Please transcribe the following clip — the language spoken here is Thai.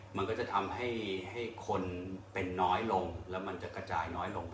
มันก็จะทำให้คนเป็นน้อยลงแล้วมันจะกระจายน้อยลง